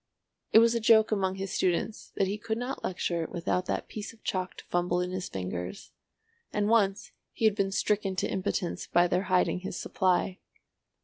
It was a joke among his students that he could not lecture without that piece of chalk to fumble in his fingers, and once he had been stricken to impotence by their hiding his supply.